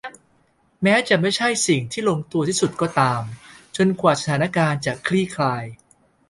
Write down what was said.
แม้จะไม่ใช่สิ่งที่ลงตัวที่สุดก็ตามจนกว่าสถานการณ์จะคลี่คลาย